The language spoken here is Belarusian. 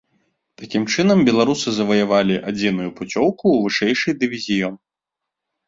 Такім чынам беларусы заваявалі адзіную пуцёўку ў вышэйшы дывізіён.